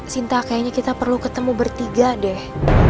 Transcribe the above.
sinta kayaknya kita perlu ketemu bertiga deh